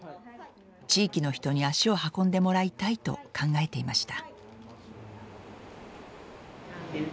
地域の人に足を運んでもらいたいと考えていました。